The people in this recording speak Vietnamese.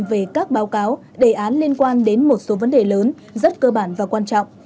về các báo cáo đề án liên quan đến một số vấn đề lớn rất cơ bản và quan trọng